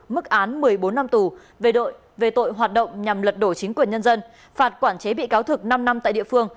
mức án một mươi bốn năm tù về tội về tội hoạt động nhằm lật đổ chính quyền nhân dân phạt quản chế bị cáo thực năm năm tại địa phương